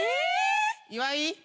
岩井！